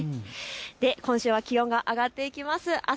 今週は気温が上がっていきます。